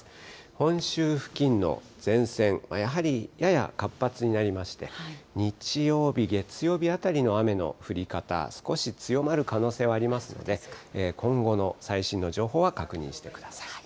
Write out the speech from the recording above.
本州付近の前線、やはりやや活発になりまして、日曜日、月曜日あたりの雨の降り方、少し強まる可能性はありますので、今後の最新の情報は確認してください。